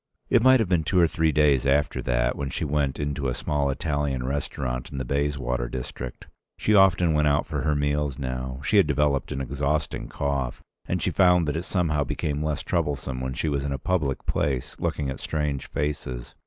It might have been two or three days after that, when she went into a small Italian restaurant in the Bayswater district. She often went out for her meals now: she had developed an exhausting cough, and she found that it somehow became less troublesome when she was in a public place looking at strange faces.